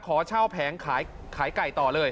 ขอเช่าแผงขายไก่ต่อเลย